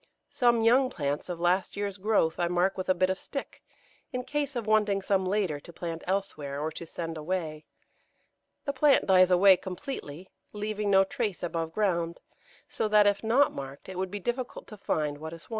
Some young plants of last year's growth I mark with a bit of stick, in case of wanting some later to plant elsewhere, or to send away; the plant dies away completely, leaving no trace above ground, so that if not marked it would be difficult to find what is wanted.